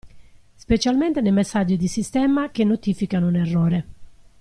Specialmente nei messaggi di sistema che notificano un errore.